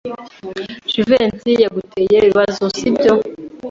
Jivency yaguteye ibibazo, sibyo?